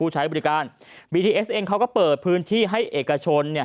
ใช้บริการบีทีเอสเองเขาก็เปิดพื้นที่ให้เอกชนเนี่ย